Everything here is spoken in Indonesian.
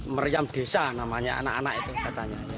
meriam desa namanya anak anak itu katanya